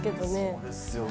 そうですよね。